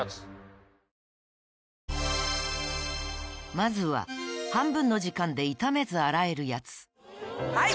まずは半分の時間で傷めず洗えるヤツはい！